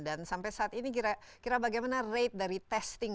dan sampai saat ini kira kira bagaimana rate dari testingnya